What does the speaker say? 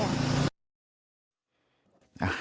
จนอยู่ด้วยกันไม่อ่ะ